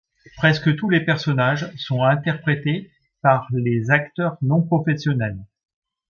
Presque tous les personnages sont interprétés par les acteurs non professionnels.